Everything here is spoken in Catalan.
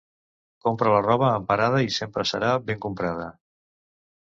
Compra la roba en parada i sempre serà ben comprada.